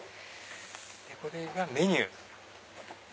これがメニュー。